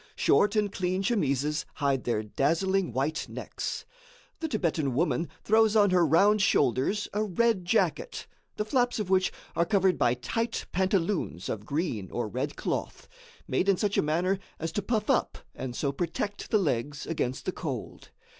Short and clean chemises hide their dazzling white necks. The Thibetan woman throws on her round shoulders a red jacket, the flaps of which are covered by tight pantaloons of green or red cloth, made in such a manner as to puff up and so protect the legs against the cold.